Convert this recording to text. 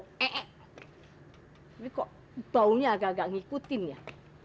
tapi kok baunya agak agak ngikutin ya